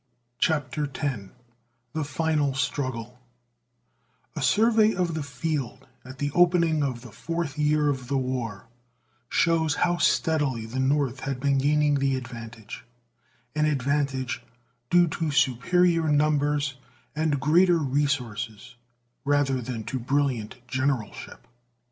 CHAPTER X THE FINAL STRUGGLE A survey of the field at the opening of the fourth year of the war shows how steadily the North had been gaining the advantage an advantage due to superior numbers and greater resources rather than to brilliant generalship.